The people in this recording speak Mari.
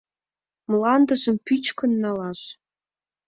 — Мландыжым пӱчкын налаш!